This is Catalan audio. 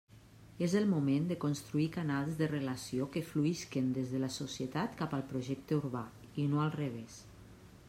És el moment de construir canals de relació que fluïsquen des de la societat cap al projecte urbà i no al revés.